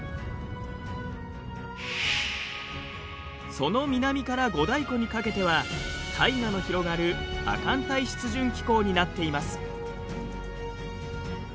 その南から五大湖にかけてはタイガの広がる亜寒帯湿潤気候になっています。